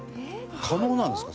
可能なんですか？